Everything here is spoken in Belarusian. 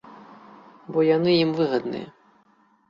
Бо яны ім выгадныя.